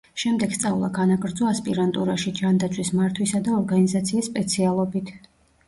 შემდეგ სწავლა განაგრძო ასპირანტურაში, ჯანდაცვის მართვისა და ორგანიზაციის სპეციალობით.